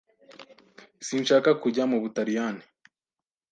Sinshaka kujya mu Butaliyani.